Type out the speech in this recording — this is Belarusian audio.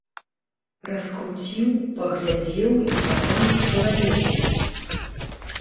Раскруціў, паглядзеў і падаў чалавеку.